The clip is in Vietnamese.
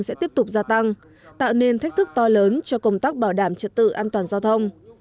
sẽ tiếp tục gia tăng tạo nên thách thức to lớn cho công tác bảo đảm trật tự an toàn giao thông